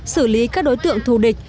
xử lý các đối tượng thù địch